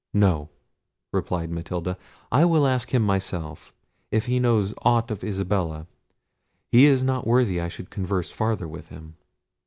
"No," replied Matilda, "I will ask him myself, if he knows aught of Isabella; he is not worthy I should converse farther with him."